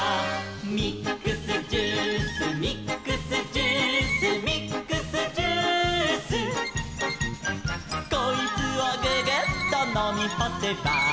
「ミックスジュースミックスジュース」「ミックスジュース」「こいつをググッとのみほせば」